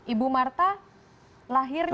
ibu marta lahirnya